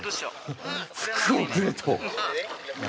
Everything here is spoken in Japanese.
「服をくれ」と？